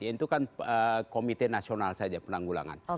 itu kan komite nasional saja penanggulangan